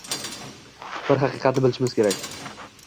Bir haqiqatni bilishimiz kerak.